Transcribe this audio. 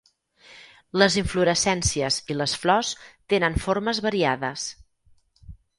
Les inflorescències i les flors tenen formes variades.